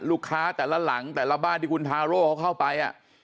แต่ละหลังแต่ละบ้านที่คุณทาโร่เขาเข้าไป